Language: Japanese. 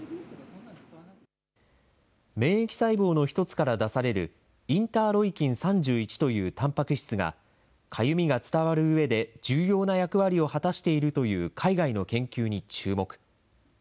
免疫細胞の１つから出される、インターロイキン３１というたんぱく質が、かゆみが伝わるうえで重要な役割を果たしているという海外の研究に注目。